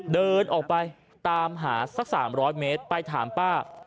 เดินออกไปตามหาสัก๓๐๐เมตรไปถามป้า